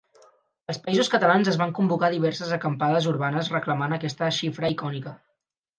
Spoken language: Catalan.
Als països catalans es van convocar diverses acampades urbanes reclamant aquesta xifra icònica.